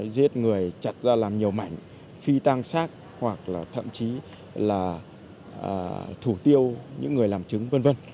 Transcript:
giết người chặt ra làm nhiều mảnh phi tăng xác hoặc là thậm chí là thủ tiêu những người làm chết